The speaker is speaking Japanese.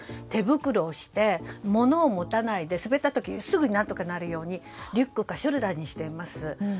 手袋をして、物を持たないで滑った時にすぐ何とかなるようにリュックかショルダーにしています。